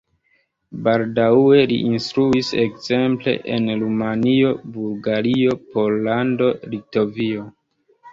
Baldaŭe li instruis ekzemple en Rumanio, Bulgario, Pollando, Litovio.